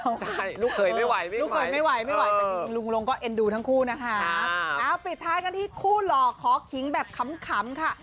ใช่ลูกเขยไม่ไหวลูกเคยไม่ไหวไม่ไหวแต่จริงลุงลงก็เอ็นดูทั้งคู่นะคะเอาปิดท้ายกันที่คู่หล่อขอขิงแบบขำค่ะ